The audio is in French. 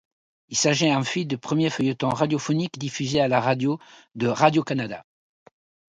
Il s'agit en fait du premier feuilleton radiophonique diffusé à la radio de Radio-Canada.